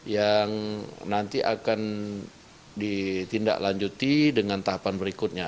yang nanti akan ditindaklanjuti dengan tahapan berikutnya